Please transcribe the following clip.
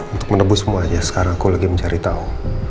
untuk menebusmu aja sekarang aku lagi mencari tahu